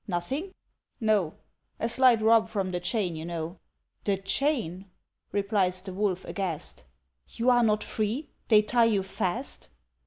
"Nothing?" "No!" "A slight rub from the chain, you know." "The chain!" replies the Wolf, aghast; "You are not free? they tie you fast?"